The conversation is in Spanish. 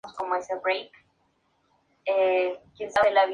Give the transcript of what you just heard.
Martínez más tarde terminó en segundo lugar a Jay Cutler en el concurso Mr.